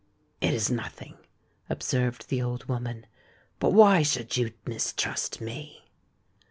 "It is nothing," observed the old woman. "But why should you mistrust me?"